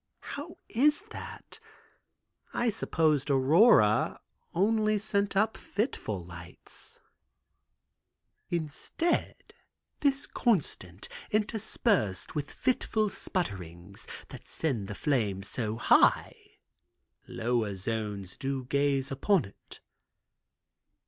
"How is that? I supposed Aurora only sent up fitful lights." "Instead, this constant, interspersed with fitful sputterings, that send the flame so high, lower zones do gaze upon it."